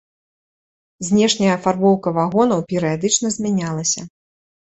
Знешняя афарбоўка вагонаў перыядычна змянялася.